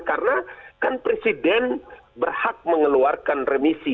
karena kan presiden berhak mengeluarkan remisi